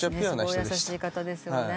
すごい優しい方ですよね。